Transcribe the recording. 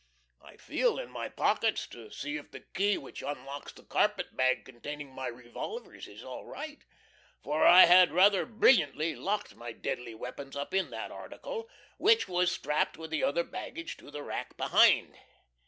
I feel in my pockets to see if the key which unlocks the carpet bag containing my revolvers is all right for I had rather brilliantly locked my deadly weapons up in that article, which was strapped with the other baggage to the rack behind.